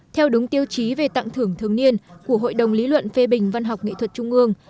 theo đúng tiêu chí về tặng thưởng thường niên của hội đồng lý luận phê bình văn học nghệ thuật trung ương